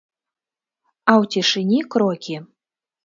А ў цішыні крокі.